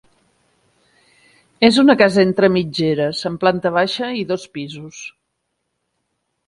És una casa entre mitgeres amb planta baixa i dos pisos.